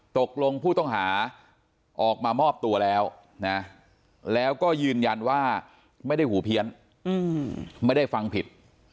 ตกลงผู้ต้องหาออกมามอบตัวแล้วนะแล้วก็ยืนยันว่าไม่ได้หูเพี้ยนไม่ได้ฟังผิด